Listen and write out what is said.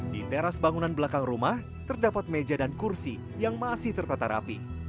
di teras bangunan belakang rumah terdapat meja dan kursi yang masih tertata rapi